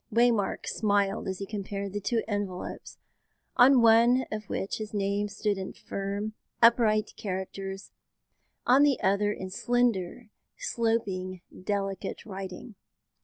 Waymark smiled as he compared the two envelopes, on one of which his name stood in firm, upright characters, on the other in slender, sloping, delicate writing.